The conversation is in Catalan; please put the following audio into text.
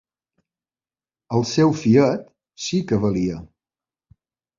El seu fillet sí que valia!